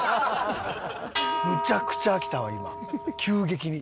むちゃくちゃ飽きたわ今急激に。